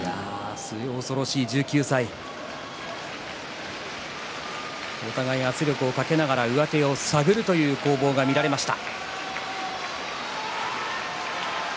末恐ろしい、１９歳お互い圧力をかけながら上手を探るという攻防が見られました。